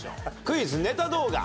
クイズネタ動画。